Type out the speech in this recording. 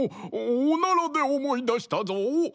おならで思いだしたぞ！